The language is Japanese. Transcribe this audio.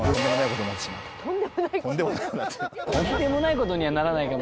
とんでもないことにはならない。